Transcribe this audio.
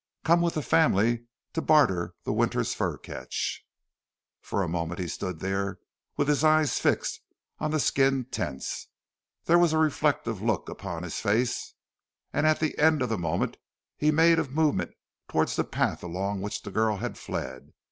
"Come with the family to barter the winter's fur catch." For a moment he stood there with his eyes fixed on the skin tents. There was a reflective look upon his face, and at the end of the moment he made a movement towards the path along which the girl had fled.